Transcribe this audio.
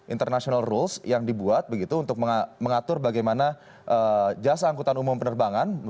international rules yang dibuat begitu untuk mengatur bagaimana jasa angkutan umum penerbangan